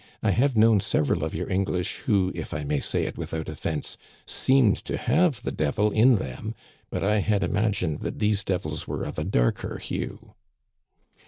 I have known several of your English who, if I may say it without offense, seemed to have the devil in them ; but I had imagined that these devils were of a darker hue."